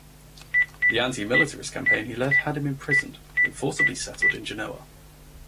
The antimilitarist campaign he led had him imprisoned, then forcibly settled in Genoa.